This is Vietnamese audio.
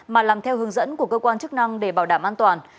mà làm theo hướng dẫn của cơ quan chức năng để bảo đảm an toàn